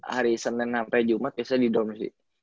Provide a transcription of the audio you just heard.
hari senin sampe jumat biasa di dorm sih